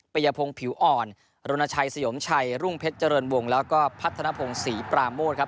ยพงศ์ผิวอ่อนรณชัยสยมชัยรุ่งเพชรเจริญวงแล้วก็พัฒนภงศรีปราโมทครับ